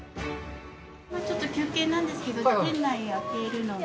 今、ちょっと休憩なんですけど店内あけるので。